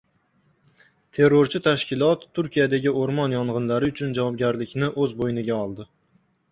Terrorchi tashkilot Turkiyadagi o‘rmon yong‘inlari uchun javobgarlikni o‘z bo‘yniga oldi